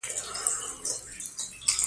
ډیپلوماسي د نړیوالی همکاری د ودي اساس دی.